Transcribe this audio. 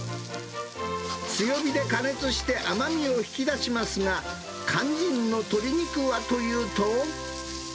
強火で加熱して甘みを引き出しますが、肝心の鶏肉はというと。